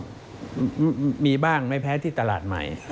ก็มีบ้างไม่แพ้ที่ตลาดใหม่